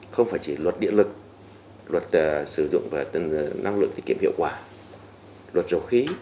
không phải chỉ luật điện lực luật sử dụng và năng lượng tiết kiệm hiệu quả luật dầu khí